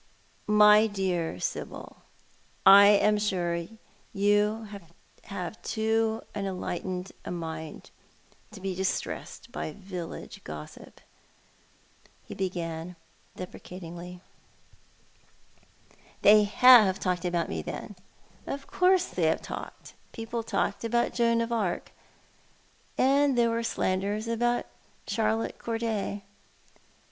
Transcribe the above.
" My dear Sibyl, I am sure you have too enlightened a mind to be distressed by village gossip," he began, deprecatingly. igo Thoti art the Man. " They Aa 176 talked about me, then ?"" Of course they have talked — people talked about Joan of Arc — and there were slanders aboxxt Charlotte Corday.